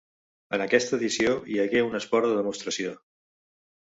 En aquesta edició hi hagué un esport de demostració.